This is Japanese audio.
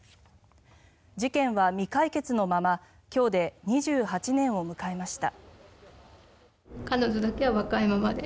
事件は未解決のまま今日で２８年を迎えました。